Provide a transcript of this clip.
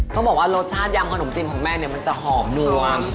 ต้องบอกว่ารสชาติยำขนมจีนของแม่เนี่ยมันจะหอมนวม